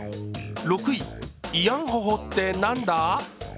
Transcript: ６位、イヤンホホって何だ？